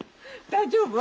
大丈夫？